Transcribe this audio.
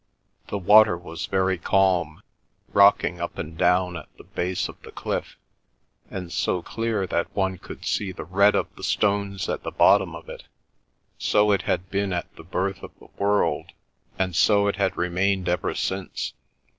The water was very calm; rocking up and down at the base of the cliff, and so clear that one could see the red of the stones at the bottom of it. So it had been at the birth of the world, and so it had remained ever since.